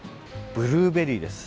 ブルーベリーです。